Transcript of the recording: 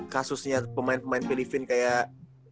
kasusnya pemain pemain filipina kayak